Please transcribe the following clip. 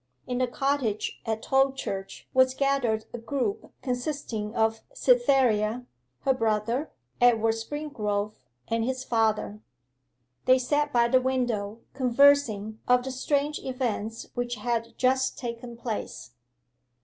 In the cottage at Tolchurch was gathered a group consisting of Cytherea, her brother, Edward Springrove, and his father. They sat by the window conversing of the strange events which had just taken place.